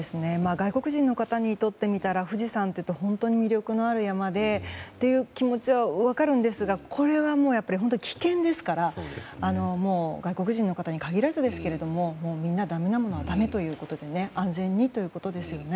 外国人の方にとってみたら富士山というと本当に魅力のある山でという気持ちは分かるんですがこれは、危険ですから外国人の方に限らずですけれどもみんなだめなものはだめと安全にということですね。